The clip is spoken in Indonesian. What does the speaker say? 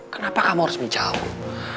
kenapa kamu harus menjauh